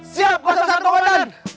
siap satu komandan